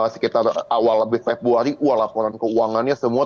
sekitar awal habis februari wah laporan keuangannya semua